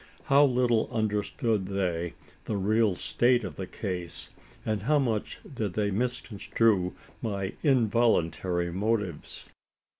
How little understood they the real state of the case, and how much did they misconstrue my involuntary motives!